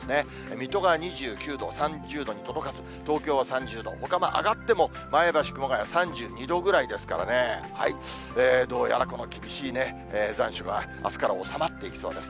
水戸が２９度、３０度に届かず、東京は３０度、ほか上がっても前橋、熊谷３２度ぐらいですからね、どうやらこの厳しい残暑があすから収まっていきそうです。